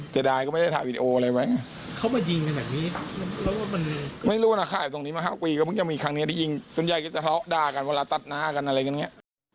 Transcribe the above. ศรีมันมา๕ปีก็มีครั้งนี้ได้ยิงส่วนใหญ่ก็จะเลาะด้ากันเวลาตัดหน้ากันอะไรกันเนี่ย